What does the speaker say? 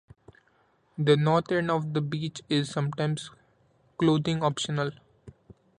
The north end of the beach is sometimes clothing optional.